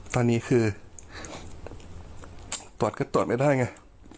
ตอนนี้คือตรวจก็ตรวจไม่ได้ไง